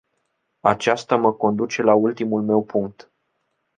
Aceasta mă conduce la ultimul meu punct.